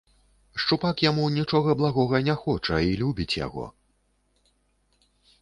Шчупак яму нічога благога не хоча і любіць яго.